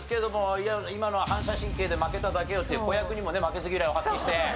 「いや今のは反射神経で負けただけよ」っていう子役にもね負けず嫌いを発揮して。